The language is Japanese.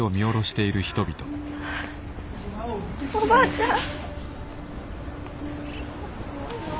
おばあちゃん。